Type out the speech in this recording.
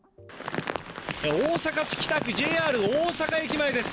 大阪市北区、ＪＲ大阪駅前です。